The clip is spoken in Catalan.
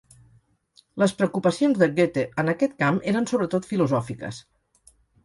Les preocupacions de Goethe en aquest camp eren sobretot filosòfiques.